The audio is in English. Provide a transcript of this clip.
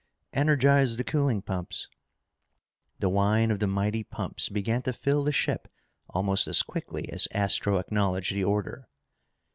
"Energize the cooling pumps!" The whine of the mighty pumps began to fill the ship almost as quickly as Astro acknowledged the order.